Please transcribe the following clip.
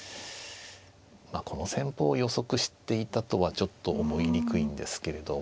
まあこの戦法を予測していたとはちょっと思いにくいんですけれども。